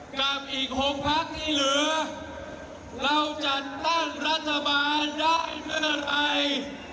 กับอีก๖พักที่เหลือเราจัดตั้งรัฐบาลได้เมื่อไหร่